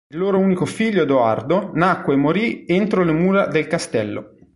Il loro unico figlio Edoardo nacque e morì entro le mura del castello.